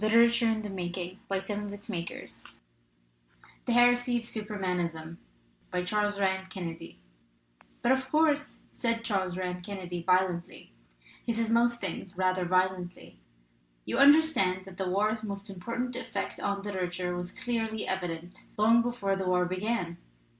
THE HERESY OF SUPERMANISM CHARLES RANN KENNEDY THE HERESY OF SUPERMANISM CHARLES RANN KENNEDY " F) UT, of course," said Charles Rann Kennedy, IJ violently (he says most things rather vio lently), "you understand that the war's most important effect on literature was clearly evident long before the war began!"